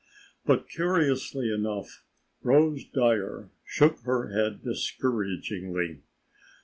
But, curiously enough, Rose Dyer shook her head discouragingly.